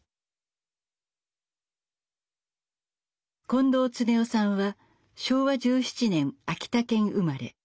近藤恒夫さんは昭和１７年秋田県生まれ。